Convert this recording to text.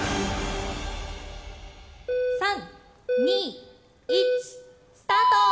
３２１スタート！